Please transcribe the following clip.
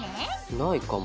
ないかも。